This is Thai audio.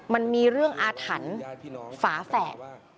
มันมีเรื่องอาถรรพ์ฝาแฝด